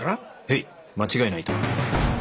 へい間違いないと。